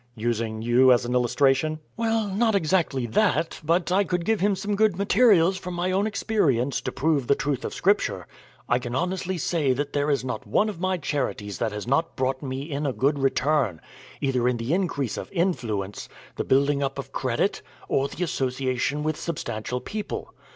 "Using you as an illustration?" "Well, not exactly that; but I could give him some good materials from my own experience to prove the truth of Scripture. I can honestly say that there is not one of my charities that has not brought me in a good return, either in the increase of influence, the building up of credit, or the association with substantial people.